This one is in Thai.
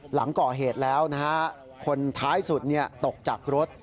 หลังก่อเหตุแล้วนะฮะคนท้ายสุดตกจากรถ